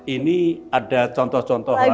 ini ada contoh contoh lagunya pak